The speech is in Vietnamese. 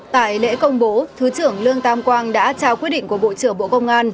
tại lễ công bố thứ trưởng lương tam quang đã trao quyết định của bộ trưởng bộ công an